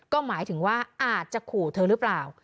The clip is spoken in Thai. ก็หมายถึงว่าอาจจะขู่เธอหรือเปล่า